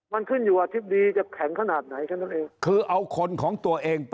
มันขึ้นอยู่อธิบดีจะแข็งขนาดไหนขนาดเอง